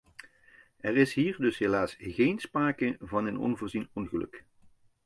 Er is hier dus helaas geen sprake van een onvoorzien ongeluk.